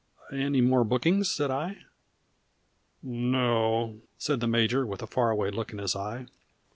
"Any more bookings?" said I. "No," said the major, with a far away look in his eye.